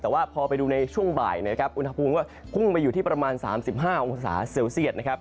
แต่ว่าพอไปดูในช่วงบ่ายนะครับอุณหภูมิก็พุ่งไปอยู่ที่ประมาณ๓๕องศาเซลเซียตนะครับ